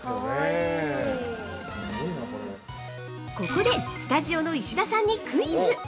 ◆ここで、スタジオの石田さんにクイズ。